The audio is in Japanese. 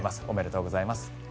おめでとうございます。